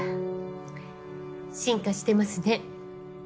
進化してますね。